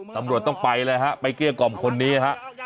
ตำรวจต้องไปเลยฮะไปเกลี้ยกล่อมคนนี้ฮะ